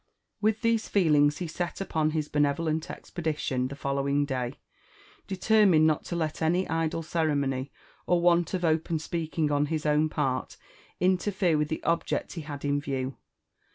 With these (oeKwgs he s^ «ff npem hirs benevole(»t expedttievi the fellowifig dnyvdelemined not to let any idle ceremony or w^M of open speaking tm his own part interfere with the object he had id view.